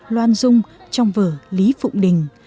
loan dung trong vở lý phụng đình